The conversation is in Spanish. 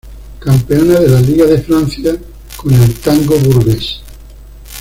Campeona de la liga de Francia con el Tango Bourges.